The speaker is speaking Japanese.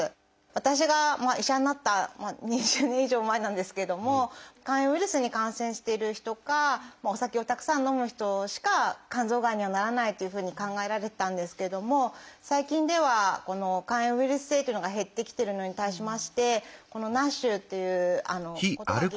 私が医者になった２０年以上前なんですけれども肝炎ウイルスに感染している人かお酒をたくさん飲む人しか肝臓がんにはならないというふうに考えられてたんですけれども最近では肝炎ウイルス性っていうのが減ってきているのに対しましてＮＡＳＨということが原因の肝がんが増えてきています。